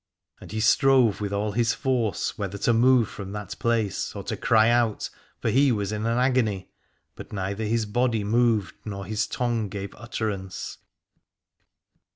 And he strove with all his force, whether to move from that place or to cry out, for he was in an agony: but neither his body moved nor his tongue gave utterance.